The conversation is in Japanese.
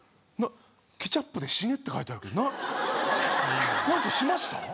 ケチャップで「死ね」って書いてあるけどなんかしました？